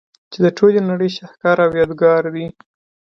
چي د ټولي نړۍ شهکار او يادګار دئ.